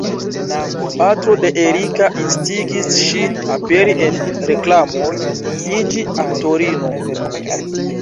Patro de Erika instigis ŝin aperi en reklamoj, iĝi aktorino.